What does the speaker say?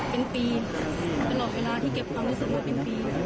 เป็นปีตลอดเวลาที่เก็บความรู้สึกมาเป็นปี